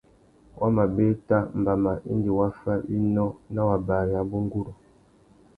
Wa mà bēta mbama indi wa fá winô nà wabari abú nguru.